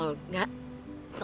ya jangan pake amaumu